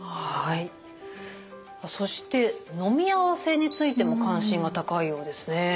そしてのみ合わせについても関心が高いようですね。